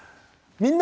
「みんな！